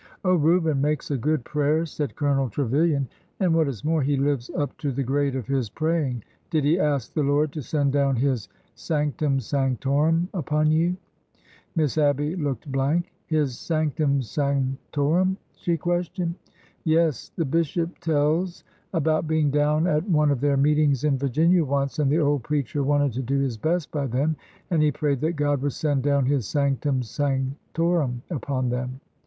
Oh, Reuben makes a good prayer," said Colonel Tre vilian ;" and, what is more, he lives up to the grade of his praying. Did he ask the Lord to send down His ' sanc tum sanctorum ' upon you ?" Miss Abby looked blank. '' tiis ' sanctum sancto rum '?" she questioned. "Yes. The bishop tells about being down at one of their meetings in Virginia once, and the old preacher wanted to do his best by them, and he prayed that God would send down His ' sanctum sanctorum ' upon them.